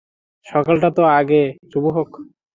সকালটা তো আগে শুভ হোক।